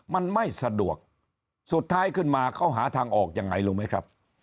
มันไม่สะดวกสุดท้ายขึ้นมาเขาหาทางออกยังไงรู้ไหมครับ